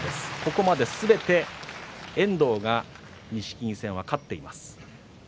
ここまですべて遠藤が錦木戦勝っています。